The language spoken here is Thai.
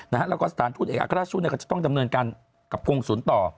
แล้วก็สถานทูตเอกอัครราชทูตก็จะต้องดำเนินการกับพงศุลต่อ